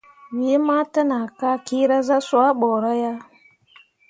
Wee ma təʼnah ka kyeera zah swah bəəra ya.